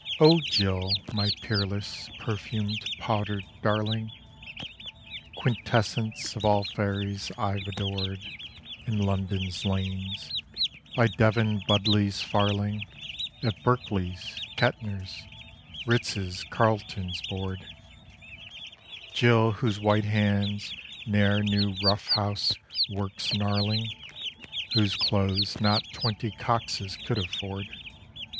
_ O Jill, my peerless, perfumed, powdered darling; Quintessence of all fairies I've adored In London's lanes, by Devon Budleigh's farling, At Berkeley's, Kettner's, Ritz's, Carlton's board; Jill whose white hands ne'er knew roughhouse work's gnarling; Whose clothes not twenty Coxes could afford!